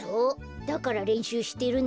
だかられんしゅうしてるんだよ。